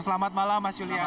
selamat malam mas julian